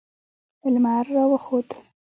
لمر راوخوت